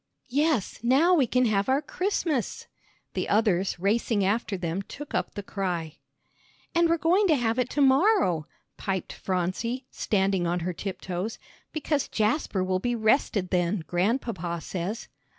"Yes, now we can have our Christmas!" The others racing after them took up the cry. "And we're going to have it to morrow," piped Phronsie, standing on her tiptoes. "Because Japser will be rested then, Grandpapa says."